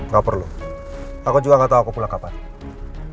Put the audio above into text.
gak perlu aku juga gak tahu aku pulang kapan